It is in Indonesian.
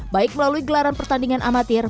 baik melalui gelaran pertandingan amatir